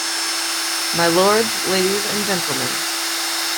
My lords, ladies and gentlemen.